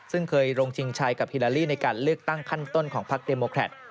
ซึ่งเคยลงชิงชัยกับฮิลาลีในการเลือกตั้งขั้นต้นของพักเดโมแครต